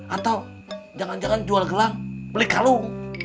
atau jangan jangan jual gelang beli kalung